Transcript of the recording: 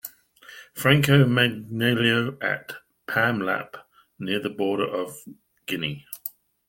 Franco Manganello at Pamelap near the border of Guinea.